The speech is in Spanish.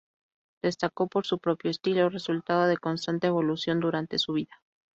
Destacó por su propio estilo, resultado de constante evolución durante su vida.